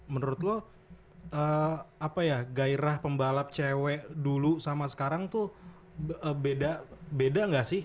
menurut lo gairah pembalap cewek dulu sama sekarang tuh beda nggak sih